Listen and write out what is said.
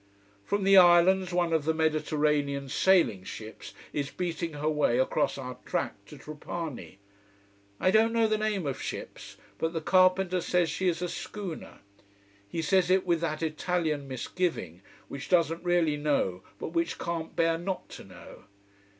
From the islands one of the Mediterranean sailing ships is beating her way, across our track, to Trapani. I don't know the name of ships but the carpenter says she is a schooner: he says it with that Italian misgiving which doesn't really know but which can't bear not to know.